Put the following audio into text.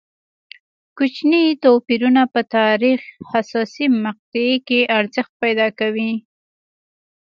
کوچني توپیرونه په تاریخ حساسې مقطعې کې ارزښت پیدا کوي.